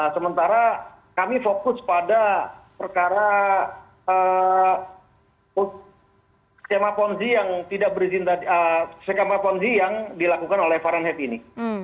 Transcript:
sementara kami fokus pada perkara skema ponzi yang dilakukan oleh fahrenheit ini